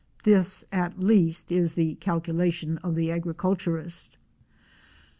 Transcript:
This, at least, is the calculation of the agriculturist.